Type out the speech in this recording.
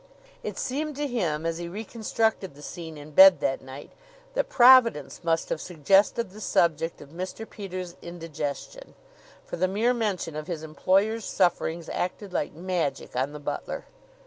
It seemed to him as he reconstructed the scene in bed that night that Providence must have suggested the subject to Mr. Peters' indigestion; for the mere mention of his employer's sufferings acted like magic on the butler.